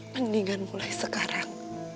mendingan mulai sekarang